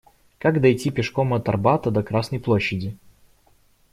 Как дойти пешком от Арбата до Красной Площади?